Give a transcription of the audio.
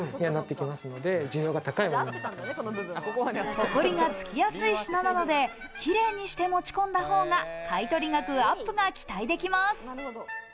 ホコリがつきやすい品なので、綺麗にして持ち込んだ方が買い取り額アップが期待できます。